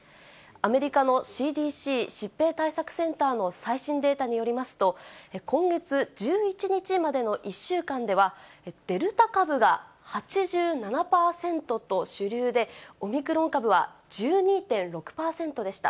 アメリカのＣＤＣ・疾病対策センターの最新データによりますと、今月１１日までの１週間では、デルタ株が８７％と主流で、オミクロン株は１２．６％でした。